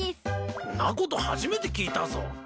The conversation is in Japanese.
んなこと初めて聞いたぞ。